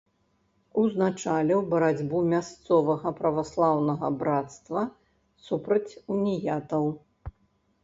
Узначаліў барацьбу мясцовага праваслаўнага брацтва супраць уніятаў.